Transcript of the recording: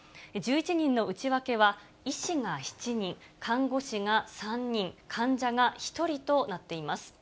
１１人の内訳は、医師が７人、看護師が３人、患者が１人となっています。